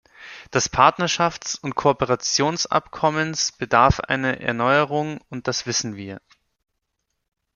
Das Partnerschafts- und Kooperationsabkommens bedarf einer Erneuerung, und das wissen wir.